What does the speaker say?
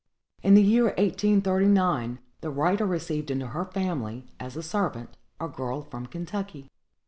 In the year 1839, the writer received into her family, as a servant, a girl from Kentucky.